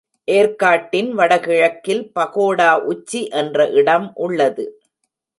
ஏர்க்காட்டின் வட கிழக்கில் பகோடா உச்சி என்ற இடம் உள்ளது.